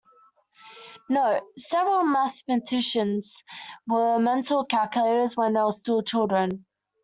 Note: Several mathematicians were mental calculators when they were still children.